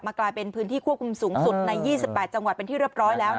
กลายเป็นพื้นที่ควบคุมสูงสุดใน๒๘จังหวัดเป็นที่เรียบร้อยแล้ว